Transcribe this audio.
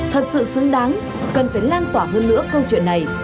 thật sự xứng đáng cần phải lan tỏa hơn nữa câu chuyện này